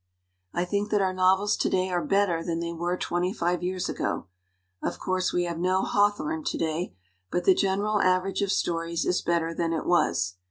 "I think that our novels to day are better than they were twenty five years ago. Of course, we have no Hawthorne to day, but the general aver age of stories is better than it was.